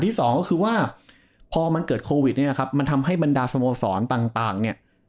สองก็คือว่าพอมันเกิดโควิดเนี่ยนะครับมันทำให้บรรดาสโมสรต่างเนี่ย